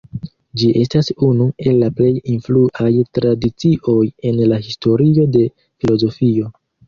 Ĝi estas unu el la plej influaj tradicioj en la historio de filozofio.